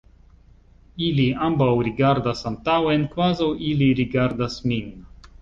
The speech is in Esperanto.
Ili ambaŭ rigardas antaŭen, kvazaŭ ili rigardas min.